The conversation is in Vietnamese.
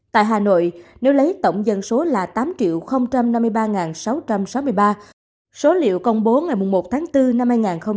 tại hà nội nếu lấy tổng dân số là tám năm mươi ba sáu trăm sáu mươi ba số liệu công bố ngày một tháng bốn năm hai nghìn hai mươi